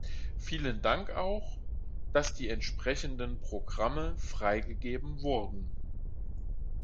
Vielen Dank auch, dass die entsprechenden Programme freigegeben wurden.